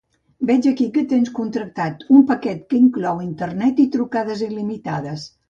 Veig aquí que tens contractat un paquet que inclou internet i trucades il·limitades.